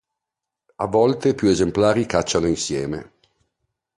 A volte più esemplari cacciano insieme.